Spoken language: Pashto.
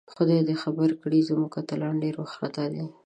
خدای دې خیر کړي، زموږ اتلان ډېر وارخطاء دي